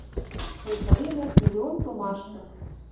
Ойхыренӹт миллион томашты: